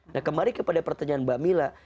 nah kembali kepada pertanyaan mbak mila